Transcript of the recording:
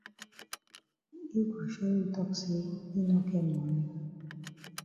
Yi go tok say yi no get moni.